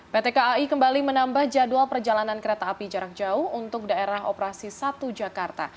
pt kai kembali menambah jadwal perjalanan kereta api jarak jauh untuk daerah operasi satu jakarta